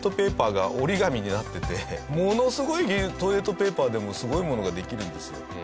ものすごいトイレットペーパーでもすごいものができるんですよ。